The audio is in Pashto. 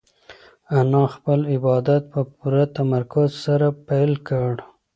انا خپل عبادت په پوره تمرکز سره پیل کړ.